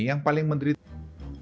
yang paling menderita